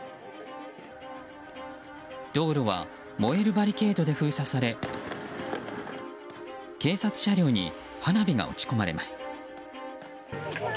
道路は燃えるバリケードで封鎖され警察車両に花火が撃ち込まれます。